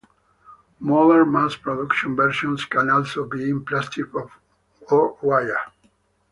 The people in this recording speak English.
Modern mass-production versions can also be in plastic or wire.